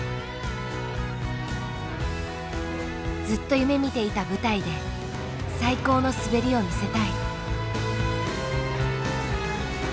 ずっと夢みていた舞台で最高の滑りを見せたい。